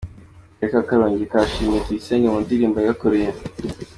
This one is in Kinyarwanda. Akarere ka Karongi kashimiye Tuyisenge mu ndirimbo yagakoreye